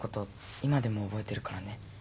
今でも覚えてるからね。